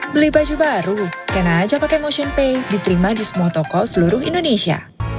beli baju baru karena aja pakai motion pay diterima di semua toko seluruh indonesia